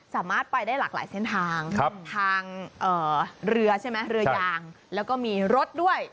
สามารถไปได้หลากหลายเส้นทางทางเรือใช่ไหมเรือยางแล้วก็มีรถด้วย